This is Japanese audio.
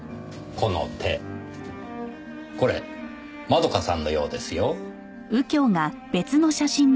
この手これ円香さんのようですよ。